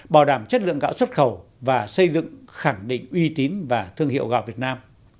bảo đảm chất lượng gạo xuất khẩu và xây dựng khẳng định uy tín và thương hiệu gạo việt nam